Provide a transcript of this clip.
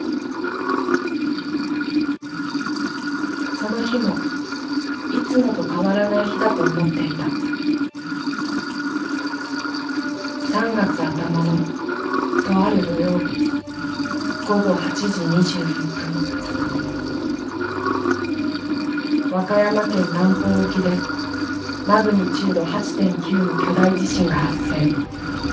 その日もいつもと変わらない日だと思っていた３月頭のとある土曜日午後８時２１分和歌山県南方沖でマグニチュード８．９の巨大地震が発生。